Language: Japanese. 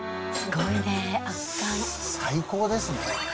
最高ですね。